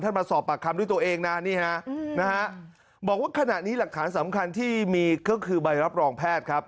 มาสอบปากคำด้วยตัวเองนะนี่ฮะนะฮะบอกว่าขณะนี้หลักฐานสำคัญที่มีก็คือใบรับรองแพทย์ครับ